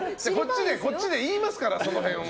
こっちで言いますからその辺は。